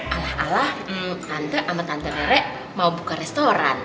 ala ala tante sama tante rere mau buka restoran